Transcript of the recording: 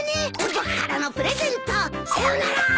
僕からのプレゼント！さよならー！